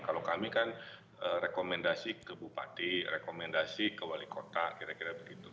kalau kami kan rekomendasi ke bupati rekomendasi ke wali kota kira kira begitu